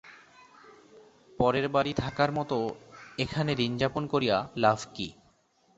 পরের বাড়ি থাকার মতো এখানে দিনযাপন করিয়া তার লাভ কী?